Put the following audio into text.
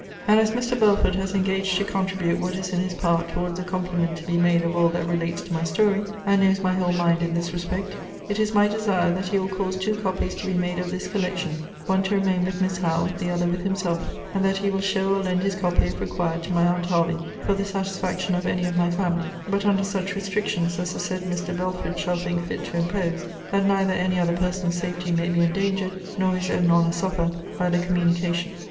And as Mr. Belford has engaged to contribute what is in his power towards a compliment to be made of all that relates to my story, and knows my whole mind in this respect; it is my desire, that he will cause two copies to be made of this collection; one to remain with Miss Howe, the other with himself; and that he will show or lend his copy, if required, to my aunt Hervey, for the satisfaction of any of my family; but under such restrictions as the said Mr. Belford shall think fit to impose; that neither any other person's safety may be endangered, nor his own honour suffer, by the communication.